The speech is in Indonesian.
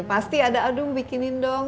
pasti ada aduh bikinin dong